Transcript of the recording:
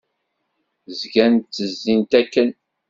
Zgant ttezzint akken.